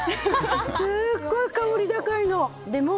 すごい香り高いの。